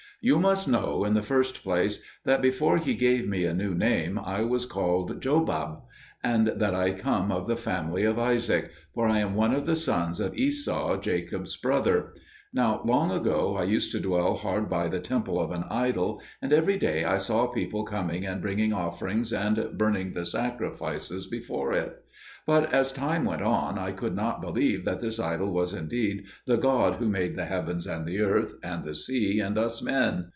You must know, in the first place, that before He gave me a new name, I was called Jobab; and that I come of the family of Isaac for I am one of the sons of Esau, Jacob's brother. Now, long ago, I used to dwell hard by the temple of an idol, and every day I saw people coming and bringing offerings, and burning sacrifices before it. But as time went on, I could not believe that this idol was indeed the God who made the heavens, and the earth, and the sea, and us men.